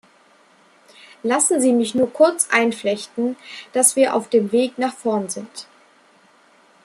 Lassen Sie mich nur kurz einflechten, dass wir auf dem Weg nach vorn sind.